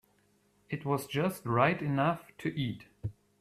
It was just ripe enough to eat.